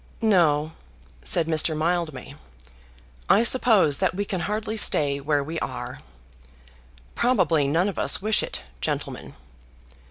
"No," said Mr. Mildmay; "I suppose that we can hardly stay where we are. Probably none of us wish it, gentlemen."